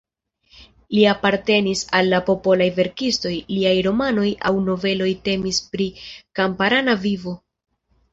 Li apartenis al la popolaj verkistoj, liaj romanoj aŭ noveloj temis pri kamparana vivo.